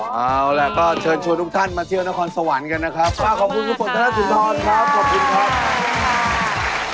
ว้าวแล้วก็เชิญชวนทุกท่านมาเที่ยวอนาคตสวรรค์กันนะครับขอบคุณครับครับขอบคุณครับขอบคุณครับ